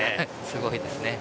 すごいですね。